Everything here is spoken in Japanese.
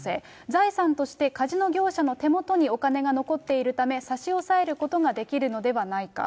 財産としてカジノ業者の手元にお金が残っているため、差し押さえることができるのではないか。